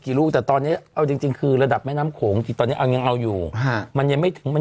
คือตั้งแต่เมื่อวัน